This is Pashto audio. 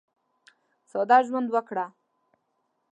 ساده ژوند وکړه.